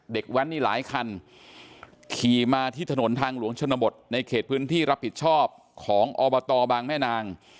แว้นนี่หลายคันขี่มาที่ถนนทางหลวงชนบทในเขตพื้นที่รับผิดชอบของอบตบางแม่นาง